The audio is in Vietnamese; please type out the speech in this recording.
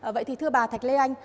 vậy thì thưa bà thạch lê anh